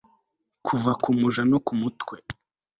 kuva ku muja no mu mutwe